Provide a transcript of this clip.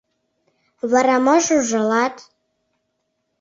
— Вара мош ужалат?